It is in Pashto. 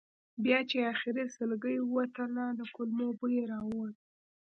بیا چې آخري سلګۍ یې وتله د کولمو بوی یې راووت.